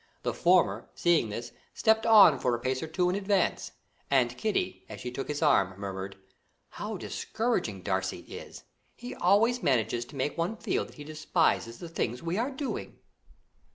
The former, seeing this, stepped on for a pace or two in advance, and Kitty, as she took his arm, murmured: "How discouraging Darcy is! He always manages to make one feel that he despises the things we are doing."